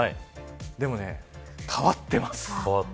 でも変わってます。